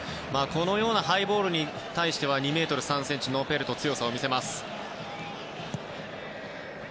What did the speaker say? あのようなハイボールに対しては２ｍ３ｃｍのノペルトが強さを見せます。